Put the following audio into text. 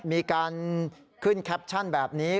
มีการขึ้นแคปชั่นแบบนี้